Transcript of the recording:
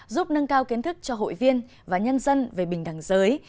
giúp nâng cao kiến thức cho hội viên và nhân dân về bình đẳng giới